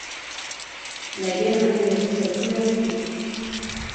La guerre interrompt sa scolarité.